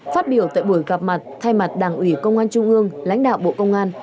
phát biểu tại buổi gặp mặt thay mặt đảng ủy công an trung ương lãnh đạo bộ công an